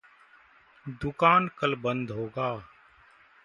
दुकान कल बंद होगा।